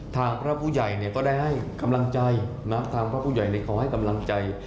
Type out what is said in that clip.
ทางพระผู้ใหญ่เนี่ยก็ได้ให้กำลังใจนะทางพระผู้ใหญ่ขอให้กำลังใจ